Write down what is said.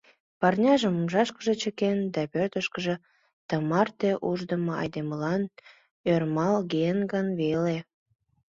Парняжым умшашкыже чыкен да пӧртыштӧ тымарте уждымо айдемылан ӧрмалген гын веле?